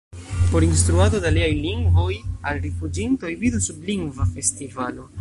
Por instruado de aliaj lingvoj al rifuĝintoj: vidu sub Lingva Festivalo.